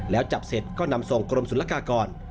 แล้วจับเสร็จก็นำส่งกรมศุลกากร